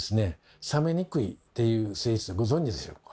冷めにくいっていう性質ご存じでしょうか？